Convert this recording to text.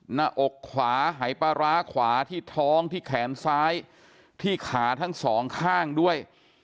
หน้าอกขวาหายปลาร้าขวาที่ท้องที่แขนซ้ายที่ขาทั้งสองข้างด้วย